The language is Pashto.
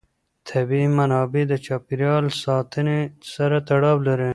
طبیعي منابع د چاپېر یال ساتنې سره تړاو لري.